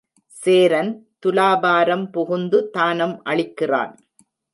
சேரன் துலாபாரம் புகுந்து தானம் அளிக்கிறான்.